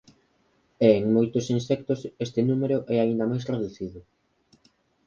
E en moitos insectos este número é aínda máis reducido.